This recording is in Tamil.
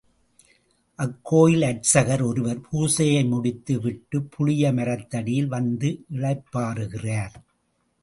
அக்கோயில் அர்ச்சகர் ஒருவர் பூசையை முடித்து விட்டுப் புளிய மரத்தடியில் வந்து இளைப்பாறுகிறார்.